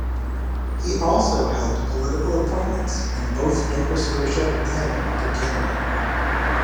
He also held political appointments in both Nova Scotia and Upper Canada.